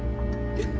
えっ。